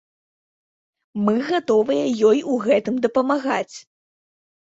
Мы гатовыя ёй у гэтым дапамагаць.